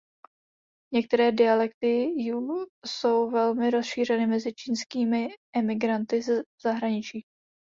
Některé dialekty jüe jsou velmi rozšířeny mezi čínskými emigranty v zahraničí.